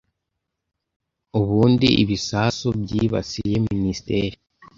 Ubundi ibisasu byibasiye, minisiteri,